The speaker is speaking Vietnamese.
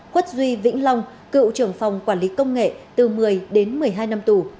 quất duy vĩnh long cựu trưởng phòng quản lý công nghệ từ một mươi đến một mươi hai năm tù